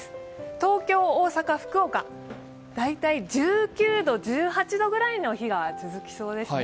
東京、大阪、福岡、大体１９度、１８度ぐらいの日が続きそうですね。